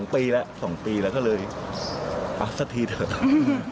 ๒ปีแล้วก็เลยอ๊ะสักทีเถอะ